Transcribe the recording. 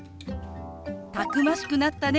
「たくましくなったね」